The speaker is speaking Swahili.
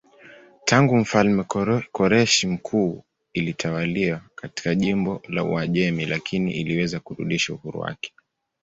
Tangu mfalme Koreshi Mkuu ilitawaliwa kama jimbo la Uajemi lakini iliweza kurudisha uhuru wake.